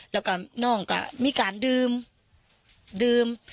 แล้วก็นอกก็มีการดื่ม